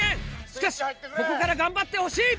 しかしここから頑張ってほしい！